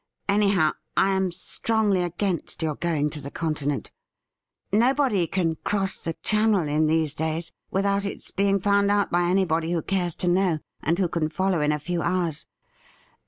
Anyhow, I am strongly against your going to the Continent. Nobody can cross the Channel in these days without its being found out by anybody who cares to know, and who can follow in a few hours.